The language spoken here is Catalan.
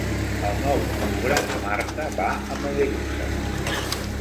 El nou d'octubre na Marta va a Mollerussa.